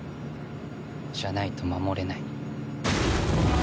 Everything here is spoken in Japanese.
じゃないと守れない。